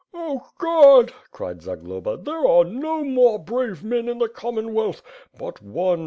"Oh God," cried Zagloba, "there are no more brave men in the Commonwealth; but one.